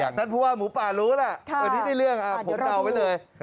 น้ำไพ่บ้านหมูป่ารู้ไว้นี้ได้เรื่องผมเอาไว้เลย